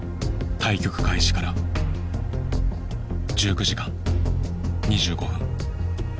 対局開始から１９時間２５分。